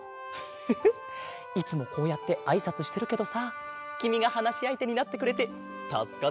フフッいつもこうやってあいさつしてるけどさきみがはなしあいてになってくれてたすかってるよ。